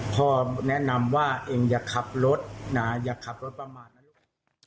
พ่อแนะนำว่าเองอย่าขับรถนะอย่าขับรถประมาณนะลูก